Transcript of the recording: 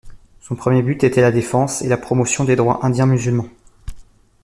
Son premier but était la défense et la promotion des droits Indiens musulmans.